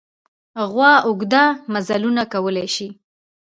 غوا اوږده مزلونه کولی شي.